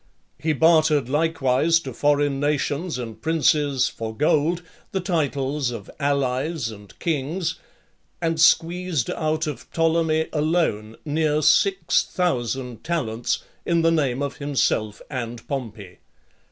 He bartered likewise to foreign nations and princes, for gold, the titles of allies and kings; and squeezed out of Ptolemy alone near six thousand talents, in the name of himself and Pompey.